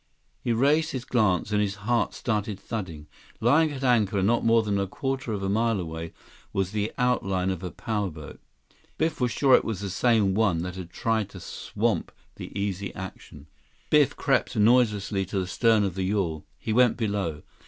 He raised his glance, and his heart started thudding. Lying at anchor, not more than a quarter of a mile away, was the outline of a power boat. Biff was sure it was the same one which had tried to swamp the Easy Action. 165 Biff crept noiselessly to the stem of the yawl. He went below.